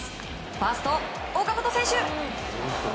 ファースト、岡本選手。